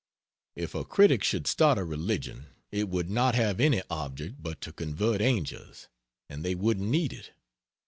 If a critic should start a religion it would not have any object but to convert angels: and they wouldn't need it.